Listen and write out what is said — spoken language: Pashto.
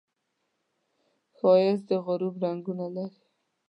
ښایست د غروب رنګونه لري